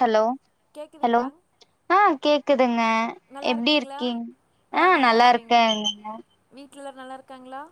Hello hello கேக்குதுங்களா ஆ கேக்குதுங்க நல்லா எப்டி இருக்கீங்களா இருக்கீங் ஆ நல்லா இருக்கேன்ங்க வீட்ல நல்லா இருக்காங்களா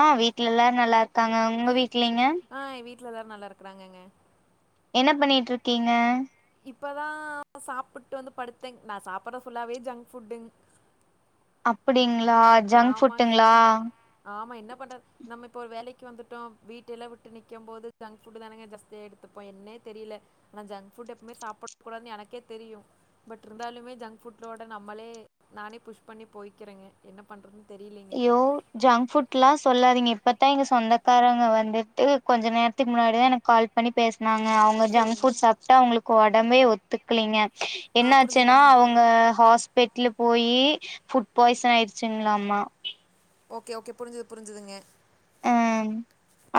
ஆ வீட்ல எல்லாரும் நல்லா இருக்காங்க உங்க வீட் லங்க ட்டுல எல்லாரும் நல்லா இருக்கறாங்கங்க என்ன பண்ணிட்டு இருக்கீங்க இப்பதான் சாப்புட்டு வந்து படுத்தே நா சாப்புறது ஃபுல்லாவே ஜங்க் ஃபுட்டு அப்டி ஆமாங்க ஆமா என்ன பண்றது நம்ம ஒரு வேலைக்கு வந்துட்டோம் வீட்டெல்லாம் விட்டு நிக்கும் போது ஜங்க் ஃபுட்டு தானேங்க ஜாஸ்தியாக எடுத்துப்போம் என்னே தெரில ஜங்க் ஃபுட் எப்பவுமே சாப்பிடக்கூடாது எனக்கே தெரியும் பட் இருந்தாலுமே ஜங்க் ஃபுட்டோட நம்மளே நானே புஷ் பண்ணி போய்க்கிறேங்க என்ன பண்ணுறது யோ ஜங்க் ஃபுட்ல்லா சொல்லாதீங்க இப்பத்தான் எங்க சொந்தக்காரங்க வந்துட்டு கொஞ்ச நேரத்துக்கு முன்னாடி தா எனக்கு கால் பண்ணி பேசு னாங்க அவங்க ஜங்க் செரிங்க ஃபுட் சாப்பிட்டு அவுங்களுக்கு ஒட ம்பே ஒத்துக்கீலிங்க ஆ என்ன புரிஞ்சுது ஆச்சுன்னா புரிஞ்சுது அவுங்க ஹாஸ் பெட்ல போயி ஃபுட் பாய்சன் ஆயிடுச்சுங்களாமா ஓகே ஓகே புரிஞ்சுது புரிஞ்சுதுங்க ஆ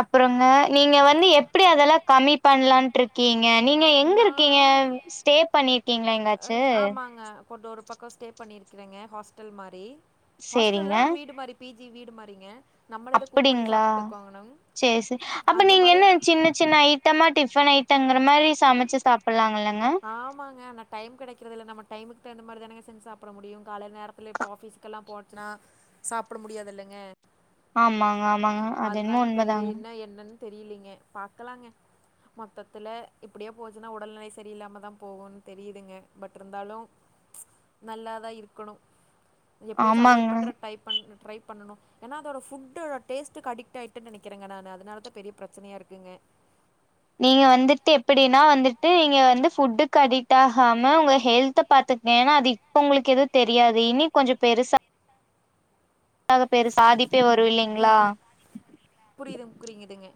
அப்புறங்க நீங்க வந்து எப்டி அதெல்லாம் கம்மி பண்ணலான்ட்டு இருக்கீங் க நீங்க எங்க நா இருக்கீங்க ஸ்டே பண்ணிருக்கீங்களா எங்காச்சு ஆமாங்க கொஞ்சோ ஒரு ஸ்டே பண்ணியிருக்கேங்க ஹாஸ்டல் மாரி ஹாஸ்டல்ல சேரிங்க ஒரு வீடு மாரி பிஜி வீடு மாரிங்க நம்மளேதா குக் பண்ணி அப்டிங்களா சாப்ட்டுக்கோங்கணும் செரி செரி அப்ப அந்த நீங்க மாரி என்ன சின்ன சின்ன ஐட்டமா டிஃபன் ஐய் தங்கற மாரி சமைச்சு சாப்புடலாங்கள ஆமாங்க ஆன டைம் கிடைக்கிறதுயில்ல நமக்கு டைமுக்கு தகுந்த மாரி தானங்க செஞ்சு சாப்பிட முடியும் கால நேரத்துல இப்ப ஆபீஸுகெல்லாம் போச்சுன்னா சாப்பிட முடியாதுதில்லிங்க ஆமாங்க ஆமாங்க அது என்னு உண்மை தாங்க தெரியலிங்க பாக்கலாங்க மொத்தத்துல இப்டியே போச்சுன்னா உடல்நிலை சரில்லாம தான் போகுனு தெரியுதுங்க பட் இருந்தாலும் நல்லாதா இருக்கணும் எப்டியாச்சும் அவாய்டு ஆமாங்க பண்ற ட்ரை பண் ட்ரை பண்ணனும் ஏன்னா அதோட ஃபுட்டு டேஸ்ட்டுக்கு அடிக்ட் ஆயிட்டேனு நெனக்கிறேங்க நானு அதனால தா பெரிய பிரச்சனையா இருக்குங்க நீங்க வந்துட்டு எப்டின்னா வந்துட்டு நீ வந்து ஃபுட்டுக்கு அடிக்ட் ஆகாம உங்க ஹெல்த பாத்துக்கிட்டினா அது இப்ப உங்களுக்கு எதுவும் தெரியாது இனி கொஞ்சம் பெருசா [unintelligible] ம் இல்லைங்களா ம் புரியுது புரியுதுங்க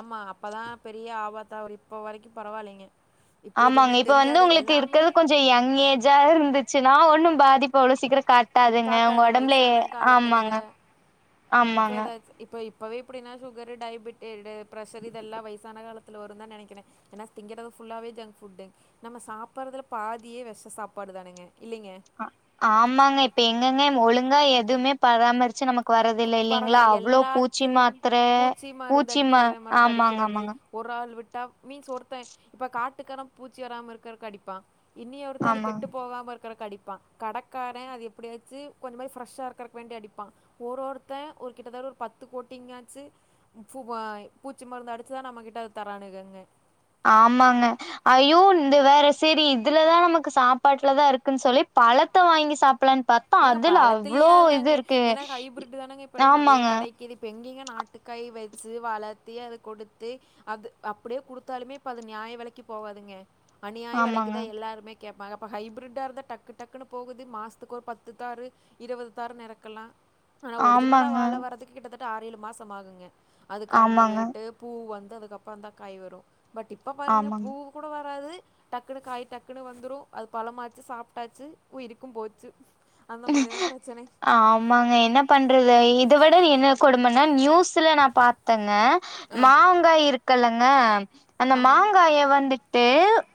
ஆமா அப்ப தா பெரிய ஆபத்தாவரு இப்ப வரைக்கு பரவாயில்லிங்க ஆமாங்க இப்ப வந்து உங்களுக்கு இருக்குறது கொஞ்சோ யங் ஏஜா இருந்துச்சின்னா ஒண்ணு பாதிப் போ அவ்ளோ சீக்கிர காட்டாதுங்க உங்க காட்டாது ஒடம்புல வயசான காலத்தில் ஆமாங்க ஆமாங்க இப்பவே இப்புடின்னா சுகர் டயபெட்டிடு ப்ரெஷர் இதெல்லா வயசான காலத்தில வருதா நெனைக்கிறே ஏன்னா திங்கிறது ஃபுல்லாவே ஜங்க் ஃபுட்டு நம்ம சாப்புறதுல பாதியே வெஷ சாப்பாடுதானுங்க அ ஆமாங்க இப்ப எங் எங்கங்க ஒழுங்கா எதுவுமே பராமரிச்சி நமக் க்வரது இல்ல புக் இல்லிங்களா வரதில்ல அவ்ளோ பூச்சி எல்லாத்துலயுமே மாத்திர பூச்சி மருந்து பூச்சிமா ஆமாங்க ஆமாங்க டப் மீன்ஸ் ஒருத்த இப்ப காட்டுக்கார பூச்சி வராம இருக்க அடிப்பா இன்னி ஒருத்த அது ஆமாங்க கெட்டு போகாம இருக் க்கற் அடிப்பான் கடைக்கார அது எப்பிடியாச்சி கொஞ்சோ மாரி ஃரெஷ்ஷா இருக்குற வேண்டி அடிப்பா ஒரு ஒருத்த ஒரு கிட்ட தட்ட ஒரு பத்து கோட்டிங்கச்சி பூவ பூச்சி மருந்து அடிச்சிதா நம்ம கிட்ட தரானுங்கக ஆமாங்க ஐயோ இந்த வேற சேரி இதுலதா நமக்கு சாப்பாட்டுலதா இருக்குனு சொல்லி பழத்த வாங்கி சாப் ஏங்க பழத்திலியு அதாங்க இருக்கு ஏன்னா ஹைபிரட் தானாங்க இப்ப நெறைய ஆமாங்க கெடைக்குது இப்ப எங்கிங்க நாட்டுக்காய் வச்ஜி வளத்தி அத குடுத்து அது அப்பிடியே குடுத்தாலுமே இப்ப அது நியாய வெலைக்கு போகாதுங்க அணியாய ஆமாங்க வெலைக்குதா எல்லாமே கேட்பாங்க இப்ப ஹைப்பிரட்டா இருந்தா டக்கு டக்குனு போகுது மாசத்துக்கு ஒர் பத் த்து தாரு இருவது தாருனு எறக்கலா ஆனா ஒருஜினலா ஆமாங்க வாழ வரதுக்கு கிட்டத்தட் ட் ஆறே ஏழு மாசோ ஆகுங்க அது ஆமாங்க கன்னுவிட்டு பூ வந் த்ததுக்கு அப்புறோதா காய் வரு பட் இப்ப பாருங்க ஆமாங்க பூ கூட வர் பாது டக்குன்னு காய் டக்குன்னு வந்துரு அது பழமாச்சி சாப்பிட்டாச்சி உயிருக்கு போச்சி ஆமாங்க என்ன பண்றது இத விட என்ன கொடுமனா நியூஸ் ஸ்ல நா பாத்தங்க ஆ. மாங்காய் இருக்கல்ல ங்க அந்த ஆமாங். மாங்காய வந்து டே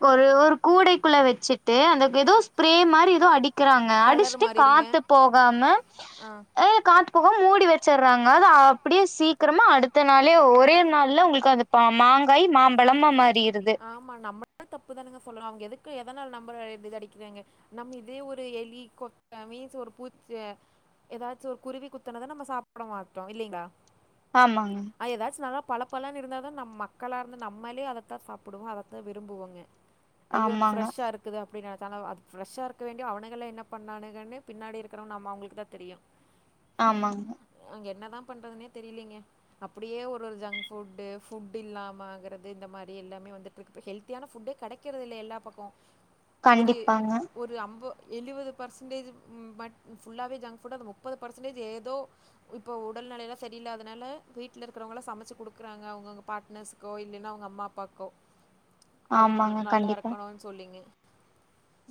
ஒரு ஒரு கூடைக்குள்ள வச்சிட்டு அந்த எதோ ஸ்பரே மாரி எதோ அடிக் க்கிறாங்க கலர் அடிஸ்ட்டு மாறிடுங்க. காத்து போகாம ஆ ஏ காத்து போக மூடி வச்சறாங்க அது அப்டியே சீக்கிரமா அடுத்த நாளே ஒரே நாள்ல உங்களுக்கு அந்த ப மாங்காய் மாம்பழமா மா ஆமா நம்ம தப்புதானுங்க சொல்லனு அவங்க எதுக்கு எதனாள நம்ப இது அடிக்கிறாங்க நம்ம இதே ஒரு எலி கொத்த மீன்ஸ் ஒரு பூச்சி எதாச்சி ஒரு குருவி குத்தனதா நம்ம சாப்ட மாட்டோம் இல்லைங்களா ஆமாங்க ஆ ஏதாச்சி நல்லா பல பலன் இருந்தாதா நம் மக்களா இருந்து நம்மளே அத தான் சாப் புடுவோ அதத்தா விரும்புவோங்க ஐயோ ஆமாங்க ஃப்ரெஷா இருக்குதா அப்டி நெனச்சாலு அது ஃபிரஷா இருக்க வேண்டி அவனுங்களே என்ன பண்ணானுங்கனு பின்னாடி இருக்கறவ நம் அவுங்களுக்கு தா தெரியும் ஆமாங்க இங்க என்னதா பண்றதுனே தெரியலீங்க அப்டியே ஒரு ஒரு ஜங்க் ஃபுட்டு ஃபுட்டு இல்லாம ஆகறது இந்த மாரி எல்லாமே வந் துட்டுருக்கப்ப ஹெல்தியான ஃபுட்டே கெடைக்கிறதில்ல எல்லா பக்கம் ஒரி கண்டிப்பாங்க ஒரு அம்ப எழுவது பர்சன்டேஜ் மட் ஃபுல்லாவே ஜங்க் ஃபுட் அந்த முப்பது பர்சன்டேஜ் ஏதோ இப்போ உடல்நெலையெலா சரியில்லாதனால வீட்ல இருக்கிறவங்களா சமைச்சி குடுக்கறாங்க அவுங்கவுங்க பாட்னர்ரக்ஷஸ்க்கோ இல்லைனா அவங்க அம்மா அப்பாக்கோ அவங்க ஆமாங்க நல்லா கண்டிப்பா இருக்கணுன் சொல்லிங்க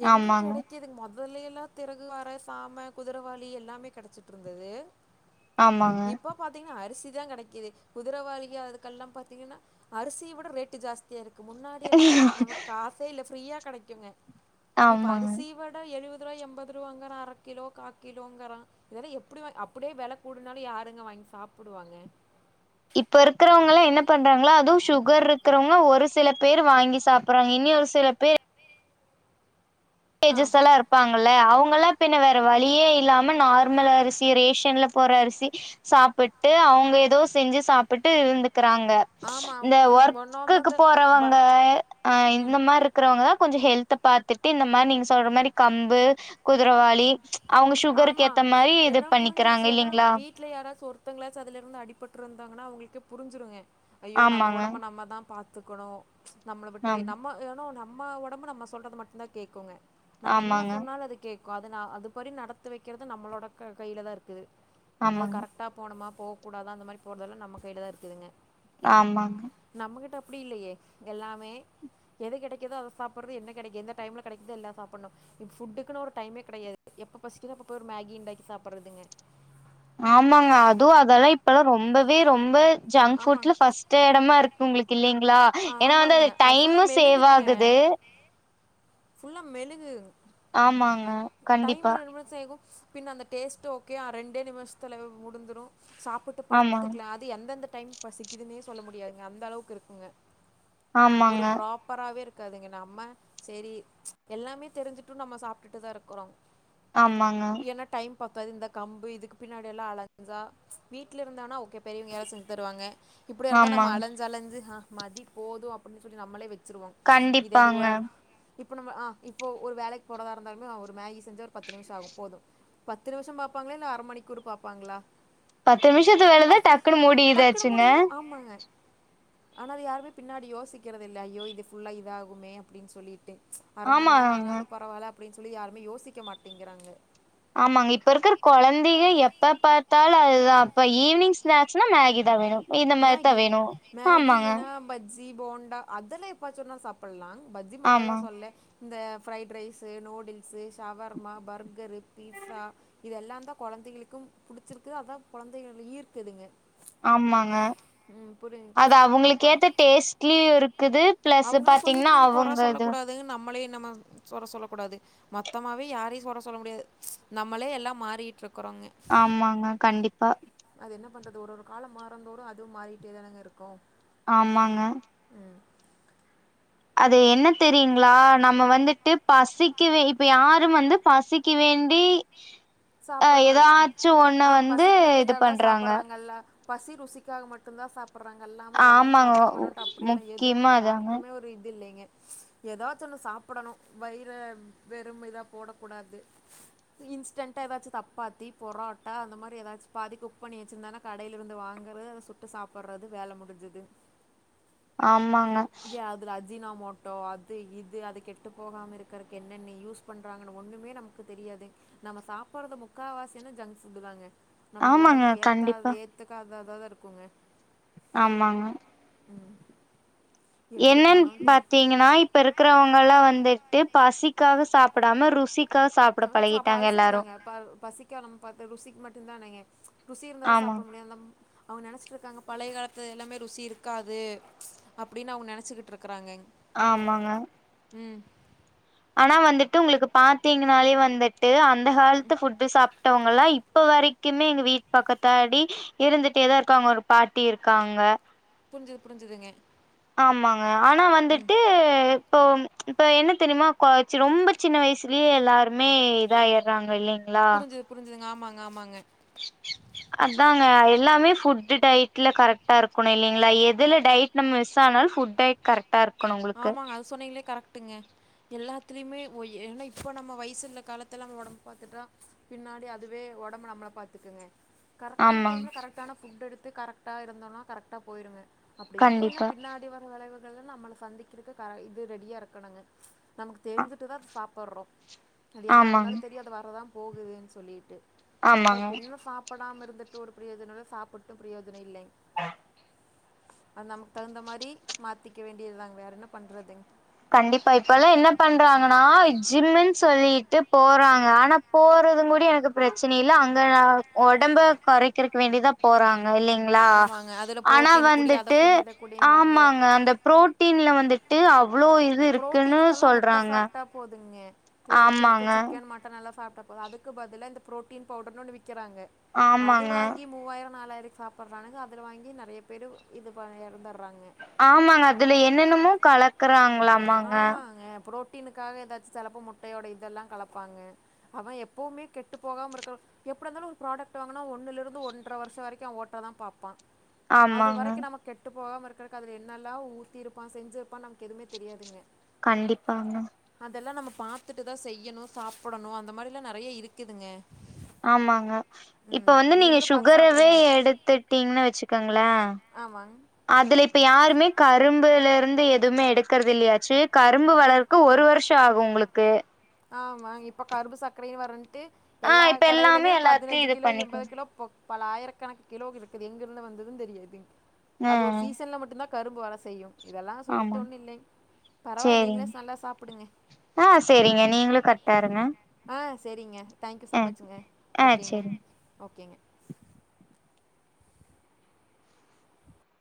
எங்க ஆமாங்க கெடைக்கதுங் மொத மொதலி எல்லா திறகு வார சாம குதிரவாளி எல்லாமே கெடைச்சிட்டுருந்தது ஆமாங்க இப்போ பாத்தீங்கன்னா அரிசி தா கெடைக்கது குதிரவாளியா அதுக்கெல்லாம் பாத்தீங்கன்னா அரிசிய விட ரேட்டு ஜாஸ்தியா இருக் கு முன்னாடி எல்ல நம காசே இல்ல ஃப்ரீயா கடைக்குங்க இப்ப ஆமாங்க அரிசிய விட எழுவது துரோ எம்பது ரூபாங்கற அர கிலோ கா கிலோங்கற இதெல்லாம் எப்டி அப்டே வெல கூடுனாலும் யாருங்க வாங்கி சாப்பிடுவாங்க இப்ப இருக்கிறவங்கலாம் என்ன பண்றாங்களா அதுவும் சுகர் இருக்கறவங்க ஒரு சில பேர் வாங்கி சாப்பறாங்க இன்னியு ஒரு சில பேரு ஆ டேஜஸ் எல்லாம் இருப்பாங்க இல்ல அவுங் இப்பெல்லா பின்ன வேற வழியே இல்லாம நார்மல் அரிசி ரேஷன்ல போற அரிசி சாப்பட்டு அவுங்க எதோ செஞ்சி சாப்பிட்டு இருந்து கிறாங்க ஆமா இந்த அவங்களுக்கு ஒர்க்குக்கு ஒன்னாமது ப போறவங்க ஆ இந்த மாரி இரு கிறவங்கதா கொஞ்ச ஹெல்த பாத்துட்டு இந்த மாரி நீங்க சொல்ற மாரி கம்பு குதரவாளி அவுங்க சுகருக்கு ஆமா ஏத்த மாரி இது ஏன்னா பண்ணிக்கறாங்க இல்லிங்களா த்தங்களாச்சி அதுல இருந்து அடிபட்டு இருந்தாங்கன்னா அவுங்களுக்கே புரிஞ்சிருங்க ஐயோ நம்ம ஆமாங்க ஒடம்ப நம்ம தா பாத்த அத்துக்கணு நம்ள விட்ட ஆம் நம்ம ஏனு நம்ம ஒடம்பு நம்ம சொல்றத மட்டுதா கேக்குங்க நம்ம என்ன ஆமாங்க சொன்னாலு அது கே அது நா அதுப்படி நடத்த பத்த வைக்குறது நம்மளோட கையில தா இருக்கு அது ஆமாங்க கரெக்ட்டா போனுமா போக கூடாத அந்த மாரி போறதல்லா நம கையில தா இருக்குதுங்க ஆமாங்க அப்டி இல்லையே எல்லாமே எது கிடைக்குதோ அத சாப்பறது என்ன கிடைக்க எந்த டைம் கிடைக்குதோ எல்லா சாப்பிணு ஃபுட்டுக்குன்னு ஒரு டைமே கிடையாது எப்போ பசிக்கிற அப்ப போய் ஒரு மேகி உண்டாக்கி சாப்பிறதுங்க ஆமாங்க அதுவு அதெல்லா இப்பல்லா ரொம்பவே ரொம்ப ஜங்க்ஃபுட்ல ஆமாங்க பஸ்டு எடமோ இருக்கு உங்களுக்கு இல்லை இருக்கலா ஏன்னா வந்து ஆமாங்க அது டைமு ஃபுல்லாக சேவ் ஆகுது ஃபுல்லா மெழுகு ஆமாங்க டைம் கண்டிப்பா மணி ரம சகும் [unintelligible] பின் அந்த டேஸ்ட்டு ஓகே ஆ ரெண்டே நிமிஷத்துல முடிந்துடு சாப்புட்டு ஆமாங்க படுத்துக்கலா அது எந்தெந்த டைமுக்கு பசிக்குதுன்னே சொல்ல முடியாதுங்க அந்த அளவுக்கு இருக்குங்க ஒரு ஆமாங்க ப்ராப்பராவே இருக் இருக்குதுங்க நம்ம சேரி எல்லாமே தெரிஞ்சுட்டு நம்ம சாப்டுட்டுதா இருக்க குரோ ஆமாங்க பத்தாது இந்த கம்பு இதுக்கு பின்னாடியெல்லா அழஞ்சா வீட்ல இருந்தான்னா ஓகே பெரியவுங்க யாரா செஞ்சு தருவாங்க இப்டியா இருந்தா நம்ம ஆமாங்க அழஞ்சு அழஞ்சு ஆ மதி போது அப்புடின்னு சொல்லி நம்மளே வெச்சு வச்சிருவோ இதுந்து கண்டிப்பாங்க வேற [unintelligible] இப்போ நம்ம ஆ இப்போ ஒரு வேலைக்கு போறதா இருந்தாலுமே மேகி செஞ்சா ஒரு பத்து நிஷோ ஆகு போது பத்து நிமிஷோ பாப்பாங்ளா இல்ல அர மணிக்கு ஒரு பாபாங்ளா பத்து நிமிஷத்து வேலதான் டக்குன்னு மூடியதாச்சுங்க ஆனா அது யாருமே பின்னாடி யோசிக்கறது இல்ல ஐயோ இது ஃபுல்லா இத ஆகுமே அப்டின் சொல்லிட்டு அர மண் நேரோம் ஆமாங்க ஆனாலும் பரவால்ல அப்டின் சொல்லி யார் மே யோசிக்க மாட்டேங்கிறாங்க ஆமாங்க இப்ப இருக்கிற கொழந்தைங்க எப்ப பாத்தாலும் அதுதான் இப்ப ஈவினிங் ஸ்நாக்ஸ்னா மேகி தான் வேணு இந்த மாரிதான் வேணு ஆமாங்க ஜீ போண்டா அதெல்லா எப்பாச்சு ஒரு நாள் சாப்புடலாம் பஜ்ஜி போண்டா எல்லா ஆமா சொல்ல இந்த fried rice noodles shawarma burger pizza இதெல்லா தான் கொழந்தைகளுக்கும் புடிச்சிருக்கு அதான் கொழந்தைங்க ஈர்க்குதுங்க ஆமாங்க ம் புரி அது அவங்களுக்கு அப்பா ஏத்த டேஸ்ட்லயும் இருக்குது பிளஸ் பாத்தீங்கன்னா அவுங்க அது நம்மளயு நம்ம கொற சொல்லக்கூடாது மொத்தமாவே யாரையும் கொற சொல்ல முடியாது நம்மளே எல்லாம் மாறிட்டு இருக் ஆமாங்க கண்டிப்பா அது என்ன பண்றது ஒரு ஒரு காலம் மாறந்தோரு அதுவும் மாறிட்டே தானங்க இருக்கும் ஆமாங்க அது என்ன தெரியுங்களா நம்ம வந்துட்டு பசிக்து இப்ப யாரும் வந்து பசிக்கு வேண்டி அ சாப்படுறது ஏதாச்சு ஒண்ண ஆ வந்து பசிக்க வேண்டி இது எல்லாரரும் தான் பண்றாங்க சாப்படுறாங்கல்ல பசி ருசிக்காக மட்டுந்தா சாப் சாப்புறாங்க இல்லாம ஒடம்ப ஆமாங்க ஒ பாத்துக்கணுட்டு அப்டி யெல்லா எதுவுமே முக்கியமா அதாங்க யாருக்குமே ஒரு இது இல்லங்க ஏதாச்சு ஒன்னு சாப்புடணு வயிர வெறும் வயிர போடக்கூடாது இன்ஸ்டன்ட் முட்ட ஏதாச்சு சப்பாத்தி புரோட்டா அந்த மாரி ஏதாச்சு பாதி குக் பண்ணி வச்சுருந்தன்னா கடேல இருந்து வாங்கறது அதை சுட்டு சாப்புடுறது வேலை முடிஞ்சது ஆம்மா யாது அ அஜினாமோட்டோ அது இது அது கெட்டு போகாம இருக்கறக்கு என்னென்ன யூஸ் பண்ணுறாங்கன்னு ஒன்னுமே நமக்கு தெரியாது நம்ம சாப்றது முக்காவாசி என்னா ஜங்க் ஃபுட்டு தாங்க நம்ம ஆமாங்க ஒடம்புக்கு கண்டிப்பா ஏத்தாது ஏத்துக்காது அத தான் இருக்குங்க ஆமாங்க என்னன்னு எப்படித்தானோ தெரி பாத்தீங்கன்னா இப்ப இருக்கிறவங்கலாம் வந்துட்டு பசி காக சாப்புடாம ருசி ருசிக்காக அப்ப அது சரிதாங்க பசிக்க நம்ம பாத்தோம் ருசிக்கு மட்டுந்தானேங்க ருசி இருந்தா ஆமா சாப்பிட முடியும் நம் அவுங்க நெனச்சிட்டு இருக்காங்க பழய காலத்து எல்லாமே ருசி இருக்காது அப்டின்னு அவுங்க நெனச்சுகிட்டு இருக்கறாங்க ஆமாங்க ம் ஆனா வந்துட்டு உங்களுக்கு பாத்தீங்கனாலே வந்துட்டு அந்த ஹெ்த் ஃபுட் சாப் வங்கல்லாம் இப்ப வரைக்குமே எங்க வீட்டு பக்கத்தாடி இருந்துட்டேதா இருக்காங்க ஒரு பாட்டி இருக்காங்க புரிஞ்சுது புரிஞ்சதுங்க ஆமா ஆனா வந்துட்டு இப்போ இப்ப என்ன தெரியுமா கோ ரொம்ப சின்ன வயசுலயே எல்லாருமே இதா ஆயிடுறாங்க இல்லங் புரிஞ்சுது புரிஞ்சுதுங்க ஆமா ங்க ஆமாங்க அதாங்க எல்லாமே ஃபுட் டைட்ல கரெக்டா இருக்கணும் இல்லங்களா எதுல டயட் நம்ம மிஸ் ஆனாலும் ஃபுட் டயட் கரெக்டா இருக்கணும் ஆமாங்க அது சொன்னீங்களே கரெக் ட்டுங்க எல்லாத்துலேயுமே ஒ ஏன்னா இப்போ நம்ம வயசு உள்ள காலத்துல நம்ம ஒடம்பு பாத்துட்டா பின்னாடி அதுவே ஒடம்பு நம்மள நல்லா பாத்துக்குங்க கரெக்டான ஆமாங்க டைம்ல கரெக்டான ஃபுட் எடு வந்து கரெக்டாக இருந்தோனா கரெக்டாக போயிடுங்க அப்டி இல்லன்னா கண்டிப்பா பின்னாடி வர வளைவு இல்லனா நம்மள சந்தி க்க இது ரெடியா இருக்கணுங்க நமக்கு தெரிஞ்சிட்டுதா சாப் ப்பறோ அது என்ன ஆமாங்க இருந்தாலும் தெரியாத வரதா போகுதுனு சொல்லிட்டு அப்றோ ஆமாங்க பிண்ணும் சாப்டாம இருந்து ஒரு பிரயோஜனம் இல்ல சாபிட்டும் பிரயோஜனம் இல்லங்க அது நமக்கு தகுந்த மாரி மாத்திக்க வேண்டியது தாங்க வேற என்ன பண்றதுங் கண்டிப்பா இப்ப எல்லா என்ன பண்றாங்கன்னா ஜிம்முன்னு சொல்லிட்டு போறாங்க ஆனா போறதும் கூட எனக்கு பிரச்சன இல் அங்க ஒடம்பு குறைக்கிறதுக்கு வேண்டிதா போறாங் க இல்லைங்களா ஆமாங்க அதில் ஆனா புரோட்டீனு குடி அதை வந்துட்டு குடி இதை குடிம்பாங்க ஆமாங்க அந்த புரோட்டீன்ல வந்துட்டு [unintelligible] இருக்குன்னு பு்ரோட்டீனுக்கெல்லாம் முட்ட சொல்றாங்க சாப்ட்டா போதுங்க புரோட்டினுக்கு ஆமாங்க சிக்கன் மட்டன் நல்லா சாப் அதுக்கு பதிலா இந்த புரோட்டீன் பவுடர்னு ஒன்னு விக் க்கிறாங்க அது ஆமாங்க வாங்கி மூவாயிரம் நாலாயிரம் சாப்டபடுறானுங்க அதுல வாங்கி நெறைய பேர் இது ப இறந்துடுறாங்க ஆமாங்க அதுல என்னென்னமோ கலக்குறாங் ஆமாங்க புரோட் டின்னுக்காக ஏதாச்சும் சிலப்போ முட்டையோட இதெல்லாம் கலப்பாங்க அவன் எப்பவுமே கெட்டு போகாமல் இருக்கிற எப்டி இருந்தாலும் ஒரு ப்ராடக்ட் வாங்கினா ஒன்னுலருந்து ஒன்றரை வருஷம் வரைக்கும் அவன் ஓட்ட தான் பாப் பான் அது ஆமாங்க வரைக்கும் நம்ம கெட்டு போகாம இருக்கறக்கு அதுல என்னல்லாம் ஊத்திருப்பான் செஞ்சிருப்பான் நமக்கு எதுவுமே தெரியாதுங்க கண்டிப்பாங்க இதெல்லாம் நம்ம பாத்துட்டு தான் செய்யணும் சாப்டணும் அந்த மாரிலாம் நெறைய இருக்குதுங்க ஆமாங்க இப்ப ம் வந்து நீங்க நீங்களும் பார்த்து சுகரவே சாப்பிடுங்க எடுத்துட்டீங்ன்னு வச்சுக்கங்களே ஆமாங்க அதுல இப்ப யாருமே கரும்புல இருந் து எதுவுமே எடுக்கறது இல்லையாச்சு கரும்பு வளர்க்க ஒரு வருஷம் ஆகும் உங்களுக்கு ஆமா இப்போ கரும்பு சக்கரைன்னு வர்ற டு ஆ எல்லா இப்ப எல்லாமே கடையிலுமே எல்லாத்தையு பதினஞ்சு இது கிலோ பண்ணிக்கு எம்பது கிலோ பல ஆயிரக்கணக்கு கிலோ இருக்குது எங்கிருந்து வந்ததும் தெரியாது ஆ அது ஒரு சீசன்ல மட்டும்தான் கரும்பு வர செய்யும் இதெல்லாம் ஆமா சொல்லிட்டு ஒன்னும் இல்லையிங் பரவாயில்ல நீங்களே சேரிங்க நல்லா சாப்பிடுங்க ஆ சேரிங்க நீங்களும் கரெக்ட்டா இருங்க சேரிங்க தேங்க்யூ ஆ ஸோமச்ங்க ஆ ஓகேங்க சேரிங்க ஓகேங்க